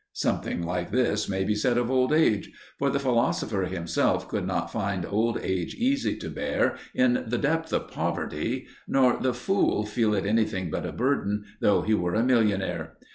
Something like this may be said of old age. For the philosopher himself could not find old age easy to bear in the depths of poverty, nor the fool feel it anything but a burden though he were a millionaire.